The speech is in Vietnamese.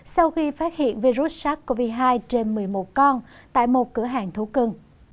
sau khi phát hiện virus sars cov hai trên một mươi một con tại một cửa hàng thú cưng